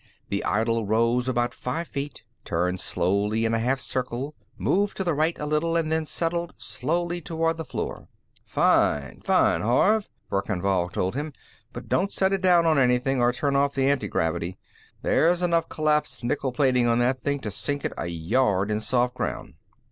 The idol rose about five feet, turned slowly in a half circle, moved to the right a little, and then settled slowly toward the floor. "Fine, fine, Horv," Verkan Vall told him, "but don't set it down on anything, or turn off the antigravity. There's enough collapsed nickel plating on that thing to sink it a yard in soft ground."